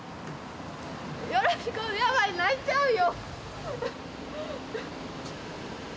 よろしく、やばい、泣いちゃうよ。